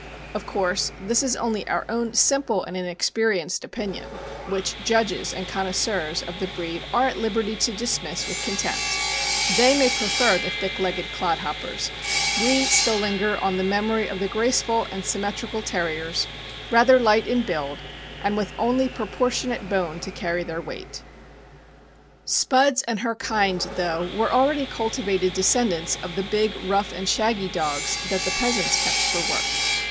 Of course this is only our own simple and inexperienced opinion, which judges and connoisseurs of the breed are at liberty to dismiss with contempt. They may prefer the thick legged clodhoppers; we still linger on the memory of the graceful and sym metrical Terriers, rather light in build, and with only proportionate bone to carry their weight. mt f IRISH TERRIER— NORAH. Owned by Dr. J. S. Niven, London, Canada. Spuds and her kind, though, were already cultivated descendants of the big rough and shaggy dogs that the peasants kept for work.